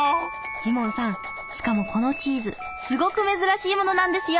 ジモンさんしかもこのチーズすごく珍しいものなんですよ。